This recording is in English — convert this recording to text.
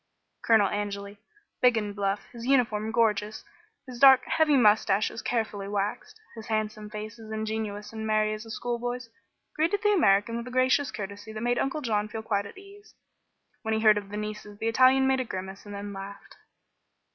Colonel Angeli, big and bluff, his uniform gorgeous, his dark, heavy moustaches carefully waxed, his handsome face as ingenuous and merry as a schoolboy's, greeted the American with a gracious courtesy that made Uncle John feel quite at his ease. When he heard of the nieces the Italian made a grimace and then laughed.